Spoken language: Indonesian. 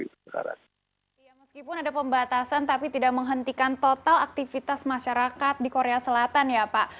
ya meskipun ada pembatasan tapi tidak menghentikan total aktivitas masyarakat di korea selatan ya pak